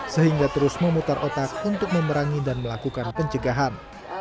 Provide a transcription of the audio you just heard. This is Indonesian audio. sehingga terus memutar otak untuk memerangi dan melakukan pencegahan